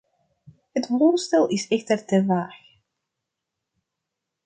Het voorstel is echter te vaag.